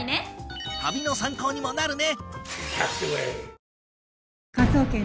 旅の参考にもなるね！